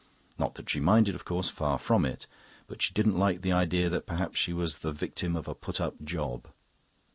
Not that she minded, of course; far from it. But she didn't like the idea that perhaps she was the victim of a put up job.